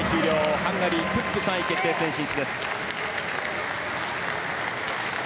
ハンガリー、プップが３位決定戦進出です。